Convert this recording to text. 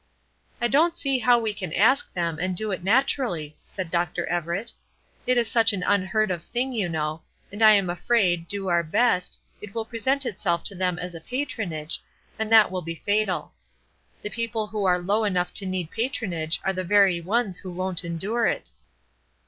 "I don't see how we can ask them, and do it naturally," said Dr. Everett. "It is such an unheard of thing, you know; and I am afraid, do our best, it will present itself to them as a patronage, and that will be fatal. The people who are low enough to need patronage are the very ones who won't endure it."